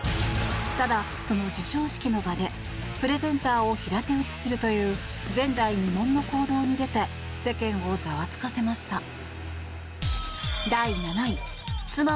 ただ、その授賞式の場でプレゼンターを平手打ちするという前代未聞の行動に出て世間をざわつかせました。